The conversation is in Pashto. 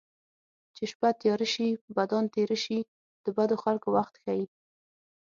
چې شپه تیاره شي بدان تېره شي د بدو خلکو وخت ښيي